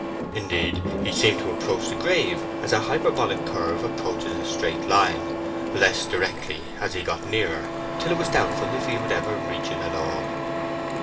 Indeed, he seemed to approach the grave as a hyperbolic curve approaches a straight line—less directly as he got nearer, till it was doubtful if he would ever reach it at all.